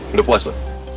udah puas lo